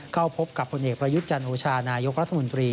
เข้าพบกับผลเอกประยุทธ์จันโอชานายกรัฐมนตรี